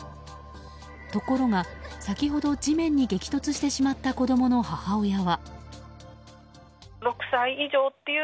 ところが、先ほど地面に激突してしまった母親は。